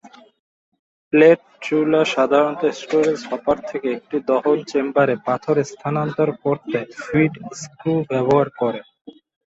Plate চুলা সাধারণত storage hopper থেকে একটি দহন চেম্বারে পাথর স্থানান্তর করতে ফিড স্ক্রু ব্যবহার করে।